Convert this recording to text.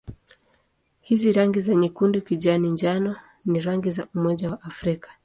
Hizi rangi za nyekundu-kijani-njano ni rangi za Umoja wa Afrika.